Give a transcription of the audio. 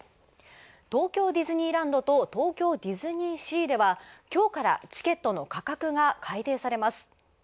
東京ディズニーランドと東京ディズニーシーでは、きょうからチケットの価格が改定されます。